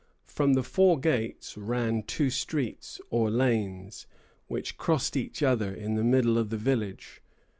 From the four gates ran two streets, or lanes, which crossed each other in the middle of the village.